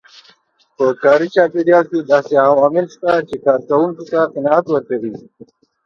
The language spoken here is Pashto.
په کاري چاپېريال کې داسې عوامل شته چې کار کوونکو ته قناعت ورکوي.